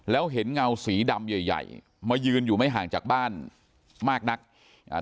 แล้วเห็นเงาสีดำใหญ่ใหญ่มายืนอยู่ไม่ห่างจากบ้านมากนักอ่า